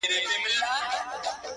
• د ښویېدلي سړي لوري د هُدا لوري،